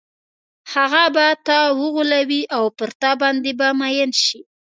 هغه به تا وغولوي او پر تا باندې به مئین شي.